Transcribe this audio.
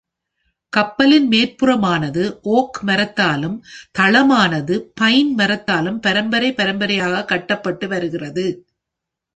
கப்பலின் மேற்புறமானது ஓக் மரத்தாலும், தளமானது பைன் மரத்தாலும் பரம்பரை பரம்பரையாக கட்டப்பட்டு வருகிறது.